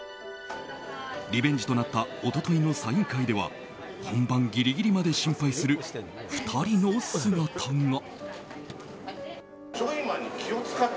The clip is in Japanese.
リベンジとなった一昨日のサイン会では本番ギリギリまで心配する２人の姿が。